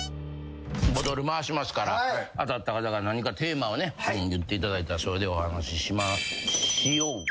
ボトル回しますから当たった方が何かテーマをね言っていただいたらそれでお話ししましょう。